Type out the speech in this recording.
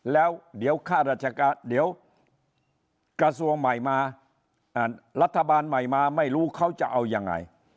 แล้วเดี๋ยวกระทรวงใหม่มารัฐบาลใหม่มาไม่รู้เขาจะเอายังไง